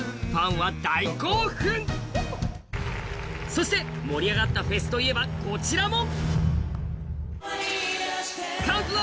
そして盛り上がったフェスといえば、こちらも。